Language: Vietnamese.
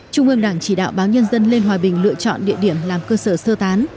trung ương đảng chỉ đạo báo nhân dân lên hòa bình lựa chọn địa điểm làm cơ sở sơ tán